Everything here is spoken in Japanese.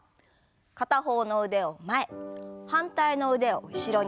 片方の腕を前反対の腕を後ろに。